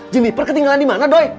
jeniper ketinggalan di mana doi